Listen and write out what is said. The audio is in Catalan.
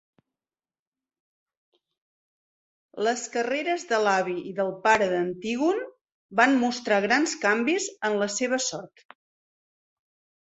Les carreres de l'avi i del pare d'Antígon van mostrar grans canvis en la seva sort.